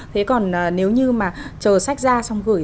thế còn nếu như mà chờ sách ra xong gửi